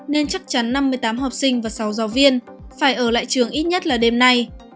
nên chắc chắn năm mươi tám học sinh và sáu giáo viên phải ở lại trường ít nhất là đêm nay